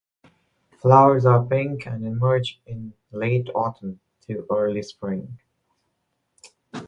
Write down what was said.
Flowers are pink and emerge in late autumn to early spring.